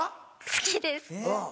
好きです。